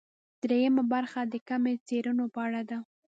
درېیمه برخه د کمي څېړنو په اړه ده.